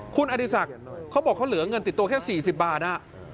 คุณอดีศักดิ์เขาบอกเขาเหลือเงินติดตัวแค่๔๐บาท